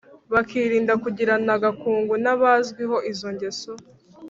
bakirinda kugirana agakungu n’abazwiho izongeso